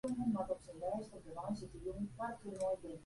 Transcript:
Menu.